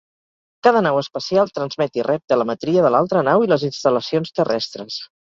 Cada nau espacial transmet i rep telemetria de l'altra nau i les instal·lacions terrestres.